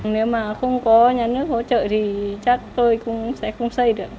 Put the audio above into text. nếu mà không có nhà nước hỗ trợ thì chắc tôi cũng sẽ không xây được